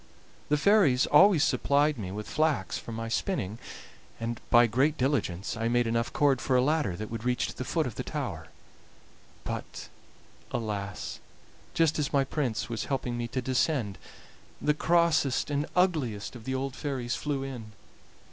The fairies always supplied me with flax for my spinning, and by great diligence I made enough cord for a ladder that would reach to the foot of the tower; but, alas! just as my prince was helping me to descend it, the crossest and ugliest of the old fairies flew in.